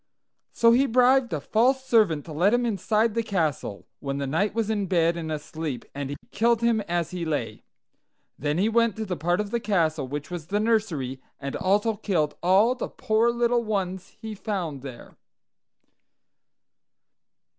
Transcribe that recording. "So he bribed a false servant to let him inside the castle, when the knight was in bed and asleep, and he killed him as he lay. Then he went to the part of the castle which was the nursery, and also killed all the poor little ones he found there.